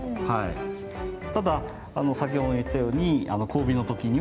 ただ先ほども言ったように交尾のときには雄が雌にかみつくと。